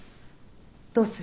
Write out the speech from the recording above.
どうする？